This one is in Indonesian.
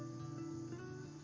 tempat ini sangat menyenangkan